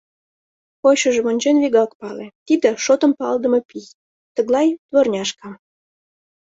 Койышыжым ончен, вигак пале: тиде — шотым палыдыме пий, тыглай дворняшка.